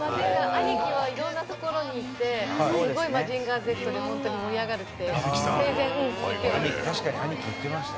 アニキは、いろんな所に行ってすごい、『マジンガーＺ』で本当に盛り上がるって生前、言ってました。